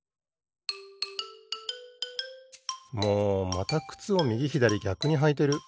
もうまたくつをみぎひだりぎゃくにはいてる！